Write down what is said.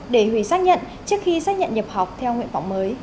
để hủy xác nhận trước khi xác nhận nhập học theo nguyện vọng mới